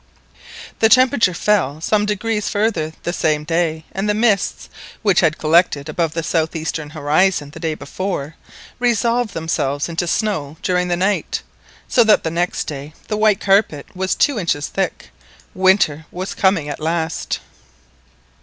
The temperature fell some degrees farther the same day, and the mists, which had collected above the south eastern horizon the day before, resolved themselves into snow during the night, so that the next day the white carpet was two inches thick. Winter was coming at last.